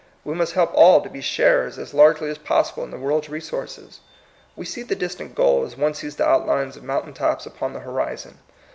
We must help all to be sharers as largely as possible in the world's resources. We see the distant goal, as one sees the outlines of mountains upon the horizon.